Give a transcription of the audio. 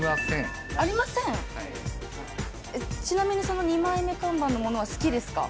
その二枚目看板のものは好きですか？